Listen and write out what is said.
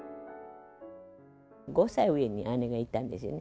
５歳上に姉がいたんですよね。